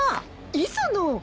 磯野。